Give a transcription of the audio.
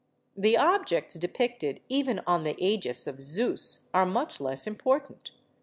The objects depicted even on the Ægis of Zeus are much less important.